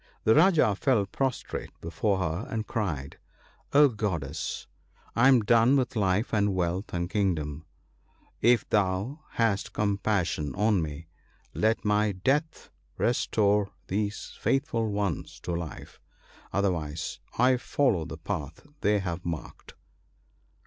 " The Rajah fell prostrate before her, and cried, —* O Goddess ! I am done with life and wealth and kingdom ! If thou hast compassion on me, let my death restore these faithful ones to life ; otherwise I follow the path they have marked.'